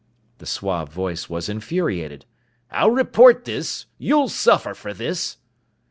The suave voice was infuriated: "I'll report this! You'll suffer for this!"